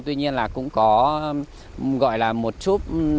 tuy nhiên là cũng có gọi là một chút